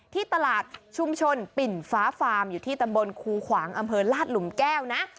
ที่ตลาดชุมชนปิ่นฟ้าฟาร์มอยู่ที่ตำบลคูขวางอำเภอลาดหลุมแก้วนะ